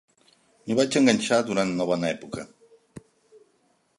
M'hi vaig enganxar durant una bona època.